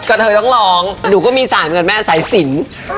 ก็เธอต้องลองหนูก็มีสายแม่ศริสิน